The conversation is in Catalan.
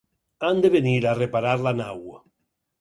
Han de venir a reparar la nau.